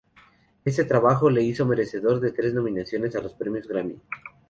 Este trabajo le hizo merecedor de tres nominaciones a los Premios Grammy Latinos.